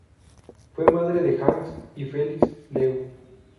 Fue madre de Hans y Felix Leu.